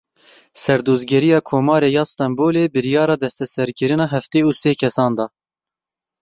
Serdozgeriya Komarê ya Stenbolê biryara desteserkirina heftê û sê kesan da.